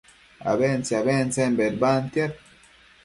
abentse-abentsen bedbantiad